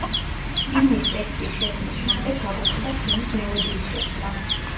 ჰიმნის ტექსტის შექმნის შემდეგ გადაწყდა ჰიმნის მელოდიის შექმნა.